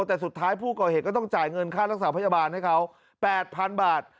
แต่สุดท้ายผู้ก่อเหตุก็ต้องจ่ายเงินค่ารักษาพยาบาลให้เขา๘๐๐๐บาท